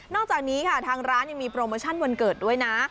จากนี้ค่ะทางร้านยังมีโปรโมชั่นวันเกิดด้วยนะ